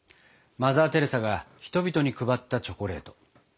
マザー・テレサが人々に配ったチョコレート。